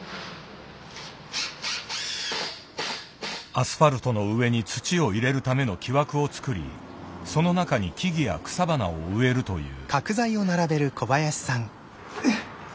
アスファルトの上に土を入れるための木枠を作りその中に木々や草花を植えるという。